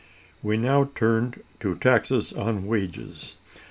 We now turn to Taxes on Wages.